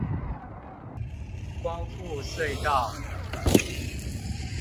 光復隧道